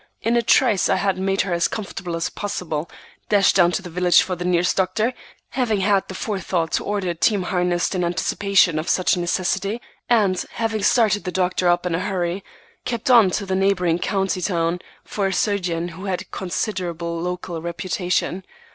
In a trice I had made her as comfortable as possible; dashed down to the village for the nearest doctor, having had the forethought to order a team harnessed in anticipation of such a necessity; and, having started the doctor up in a hurry, kept on to the neighboring county town for a surgeon who had considerable local reputation.